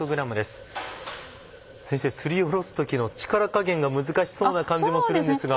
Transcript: すりおろす時の力加減が難しそうな感じもするんですが。